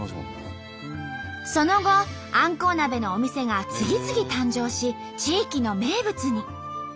その後あんこう鍋のお店が次々誕生し地域の名物に。